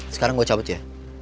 sekarang gue cabut ya